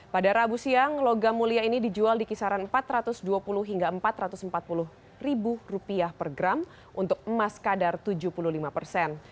pada rabu siang logam mulia ini dijual di kisaran empat ratus dua puluh hingga empat ratus empat puluh per gram untuk emas kadar tujuh puluh lima persen